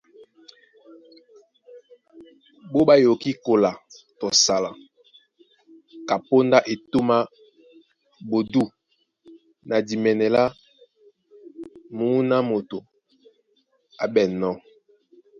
Ɓó yɔkí kola tɔ sala, kapóndá etûm á ɓodû na dimɛnɛ lá mǔná moto á ɓɛ̂nnɔ́.